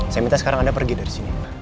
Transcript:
saya minta sekarang anda pergi dari sini